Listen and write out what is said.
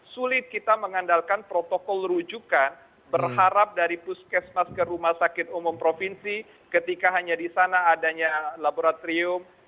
sulit kita mengandalkan protokol rujukan berharap dari puskesmas ke rumah sakit umum provinsi ketika hanya di sana adanya laboratorium